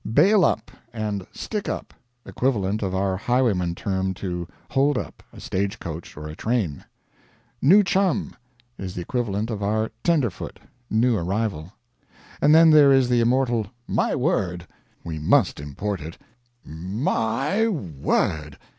"Bail up" and "stick up" equivalent of our highwayman term to "hold up" a stage coach or a train. "New chum" is the equivalent of our "tenderfoot" new arrival. And then there is the immortal "My word!" We must import it. "M y word!"